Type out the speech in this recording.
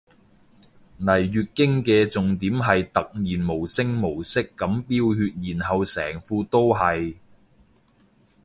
嚟月經嘅重點係突然無聲無息噉飆血然後成褲都係